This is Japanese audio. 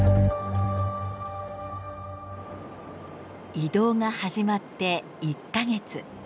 移動が始まって１か月。